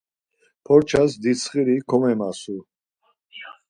Porças ditsxiri komemasu.